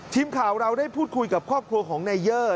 ทีมข่าวเราได้พูดคุยกับครอบครัวของนายเยอร์